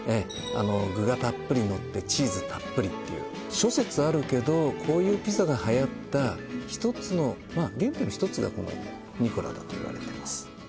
具がたっぷりのってチーズたっぷりっていう諸説あるけどこういうピザがはやった原点の１つがこのＮＩＣＯＬＡだといわれてます